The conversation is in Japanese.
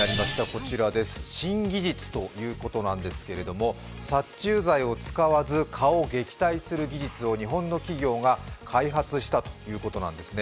こちらです、新技術ということなんですけど、殺虫剤を使わず、蚊を撃退する技術を日本の企業が開発したということなんですね。